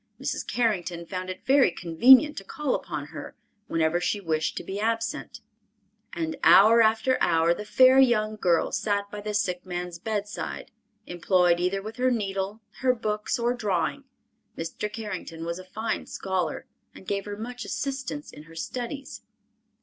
Mrs. Carrington found it very convenient to call upon her, whenever she wished to be absent, and hour after hour the fair young girl sat by the sick man's bedside, employed either with her needle, her books or drawing. Mr. Carrington was a fine scholar and gave her much assistance in her studies.